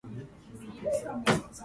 セルジッペ州の州都はアラカジュである